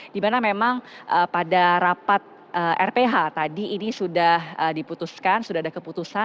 dimana memang pada rapat rph tadi ini sudah diputuskan sudah ada keputusan